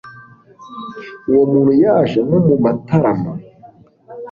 uwo muntu yaje nko mu matarama